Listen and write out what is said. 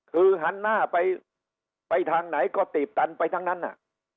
คือหันหน้าไปไปทางไหนก็ตีบตันไปทั้งนั้นน่ะ